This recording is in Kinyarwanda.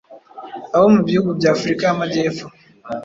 abo mu bihugu bya Afurika y’Amajyepfo,